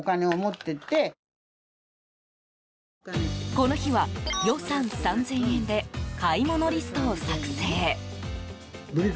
この日は、予算３０００円で買い物リストを作成。